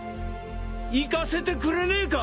行かせてくれねえか！